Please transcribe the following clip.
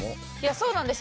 そうなんですよ。